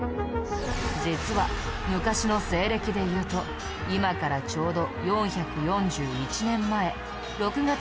実は昔の西暦で言うと今からちょうど４４１年前６月２１日の出来事なんだ。